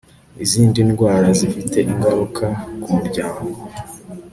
izindi ndwara zifite ingaruka ku muryango